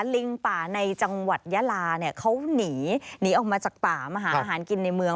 ลิงป่าในจังหวัดยาลาเนี่ยเขาหนีหนีออกมาจากป่ามาหาอาหารกินในเมือง